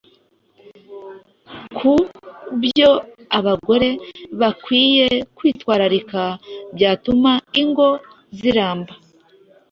ku byo abagore bakwiye kwitwararika byatuma ingo ziramba